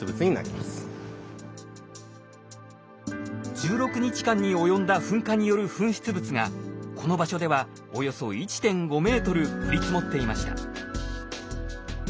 １６日間に及んだ噴火による噴出物がこの場所ではおよそ１．５ｍ降り積もっていました。